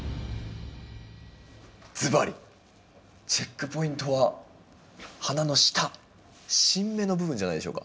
ずばりチェックポイントは花の下新芽の部分じゃないでしょうか？